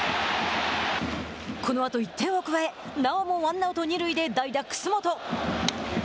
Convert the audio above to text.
このあとも１点を加えなおもワンアウト、二塁で代打楠本。